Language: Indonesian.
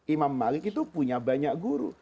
imam malik itu punya banyak guru